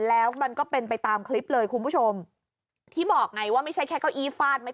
แล้วมันก็เป็นไปตามคลิปเลยคุณผู้ชมที่บอกไงว่าไม่ใช่แค่เก้าอี้ฟาดไหม